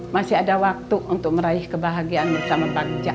masih ada waktu untuk meraih kebahagiaan bersama bangsa